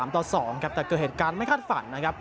แต่เกิดเหตุการณ์ไม่คาดฝัน